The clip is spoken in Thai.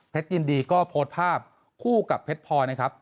ยินดีก็โพสต์ภาพคู่กับเพชรพลอยนะครับ